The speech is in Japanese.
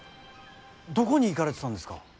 どこに行かれてたんですか。